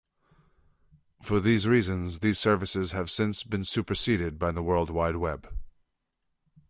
For these reasons, these services have since been superseded by the World Wide Web.